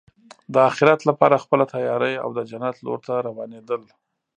د اخرت لپاره خپله تیاری او د جنت لور ته روانېدل.